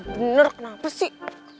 bener kenapa sih